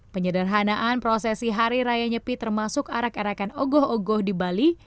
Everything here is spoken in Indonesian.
penyederhanaan prosesi hari raya nyepi termasuk arak arakan ogoh ogoh di bali